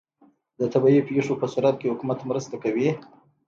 د طبیعي پیښو په صورت کې حکومت مرسته کوي؟